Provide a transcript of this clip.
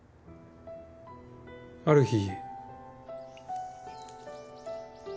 ある日。